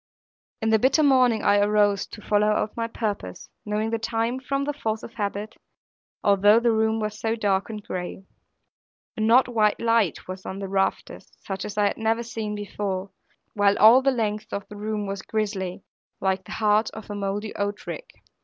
In the bitter morning I arose, to follow out my purpose, knowing the time from the force of habit, although the room was so dark and gray. An odd white light was on the rafters, such as I never had seen before; while all the length of the room was grisly, like the heart of a mouldy oat rick.